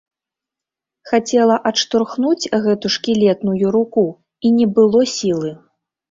Хацела адштурхнуць гэту шкілетную руку, і не было сілы.